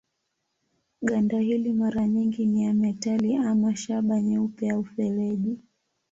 Ganda hili mara nyingi ni ya metali ama shaba nyeupe au feleji.